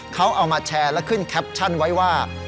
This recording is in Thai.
เขาเอามาแชร์และขึ้นแคปชั่นไว้ว่า